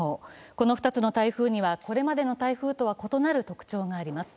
この２つの台風にはこれまでの台風とは異なる特徴があります。